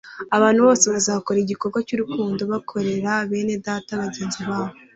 abantu bose bazakora igikorwa cy'urukundo bakorera bene data bagenzi babo.